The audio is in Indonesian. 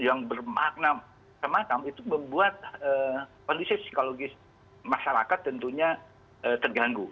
yang bermakna semacam itu membuat kondisi psikologis masyarakat tentunya terganggu